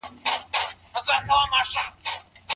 څنګه د صنعتي روزنې مرکزونه د مهارتونو کچه لوړوي؟